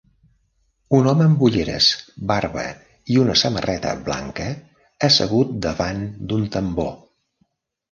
un home amb ulleres, barba i una samarreta blanca assegut davant d'un tambor.